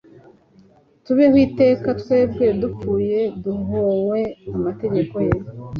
tubeho iteka, twebwe dupfuye duhowe amategeko ye